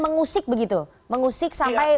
mengusik begitu mengusik sampai